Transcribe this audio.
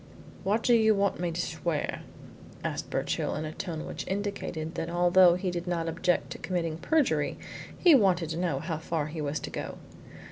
"What do you want me to swear?" asked Birchill, in a tone which indicated that although he did not object to committing perjury, he wanted to know how far he was to go.